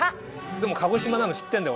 でも鹿児島なの知ってんだよ